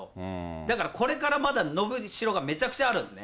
だからこれからまだ伸びしろがめちゃくちゃあるんですね。